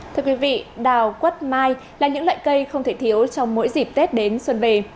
thưa quý vị đào quất mai là những loại cây không thể thiếu trong mỗi dịp tết đến xuân về